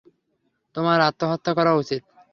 তোমার আত্মহত্যা করা উচিত।